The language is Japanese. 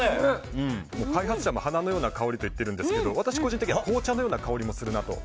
開発者も花のような香りと言ってるんですが私、個人的には紅茶のような香りもするなと。